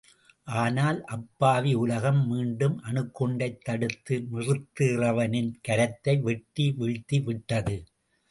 ஆனால் அப்பாவி உலகம் மீண்டும் அணுகுண்டைத் தடுத்து நிறுத்துகிறவனின் கரத்தை, வெட்டி வீழ்த்தி விட்டது!